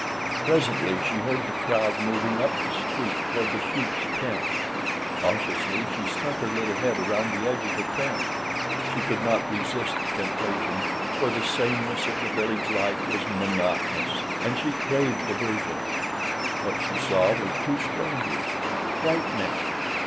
Presently she heard the crowd moving up the street toward The Sheik's tent. Cautiously she stuck her little head around the edge of the tent. She could not resist the temptation, for the sameness of the village life was monotonous, and she craved diversion. What she saw was two strangers—white men.